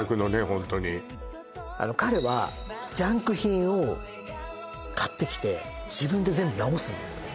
ホントにあの彼はジャンク品を買ってきて自分で全部直すんですね